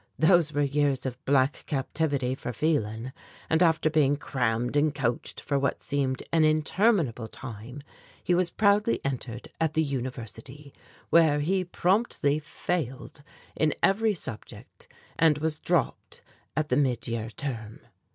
Those were years of black captivity for Phelan, and after being crammed and coached for what seemed an interminable time, he was proudly entered at the University, where he promptly failed in every subject and was dropped at the mid year term.